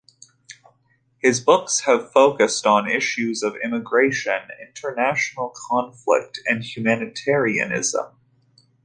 His books have focused on issues of immigration, international conflict, and humanitarianism.